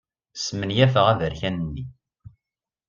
Smenyafeɣ aberkan-nni.